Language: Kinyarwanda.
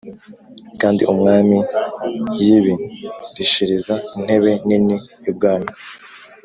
Kandi umwami yib rishiriza intebe nini y ubwami